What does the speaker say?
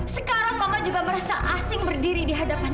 sekarang mama juga merasa asing berdiri di hadapan kamu